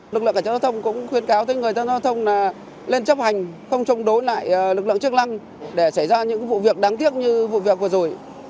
lực lượng cảnh sát giao thông cũng khuyên cáo tới người tham gia giao thông lên chấp hành không chống đối lại lực lượng chức năng để xảy ra những vụ việc đáng tiếc như vụ việc vừa rồi